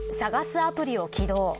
アプリを起動。